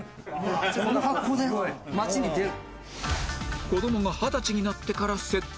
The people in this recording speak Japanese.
この格好で街に出る？